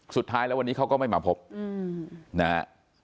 สุดท้ายแล้ววันนี้เขาก็ไม่มาพบนะฮะ